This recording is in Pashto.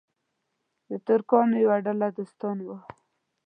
د ترکانو یوه ډله ولاړه وه.